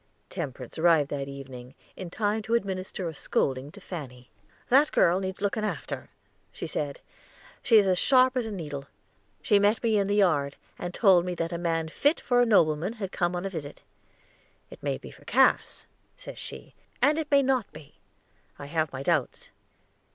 Temperance arrived that evening, in time to administer a scolding to Fanny. "That girl needs looking after," she said. "She is as sharp as a needle. She met me in the yard and told me that a man fit for a nobleman had come on a visit. 'It may be for Cass,' says she, 'and it may not be. I have my doubts.'